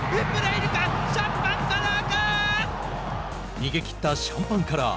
逃げきったシャンパンカラー。